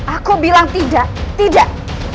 aku bilang tidak tidak